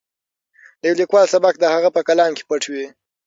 د یو لیکوال سبک د هغه په کلام کې پټ وي.